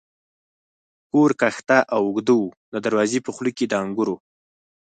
کور کښته او اوږد و، د دروازې په خوله کې د انګورو.